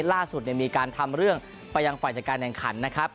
ล่าสุดมีการทำเรื่องไปยังฝ่ายจัดการแข่งขันนะครับ